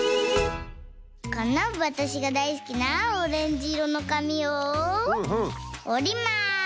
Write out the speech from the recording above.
このわたしがだいすきなオレンジいろのかみをおります！